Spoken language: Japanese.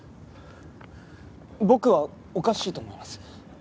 僕はおかしいと思います。